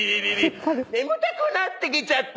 「眠たくなってきちゃった。